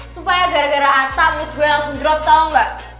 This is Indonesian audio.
sumpah ya gara gara ata mood gue langsung drop tau gak